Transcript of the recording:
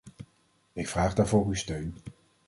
Ik vraag daarvoor uw steun.